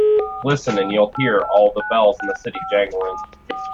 Listen and you'll hear all the bells in the city jangling.